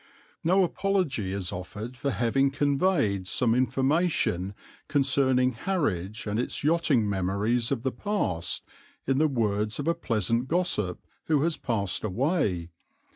No apology is offered for having conveyed some information concerning Harwich and its yachting memories of the past in the words of a pleasant gossip who has passed away.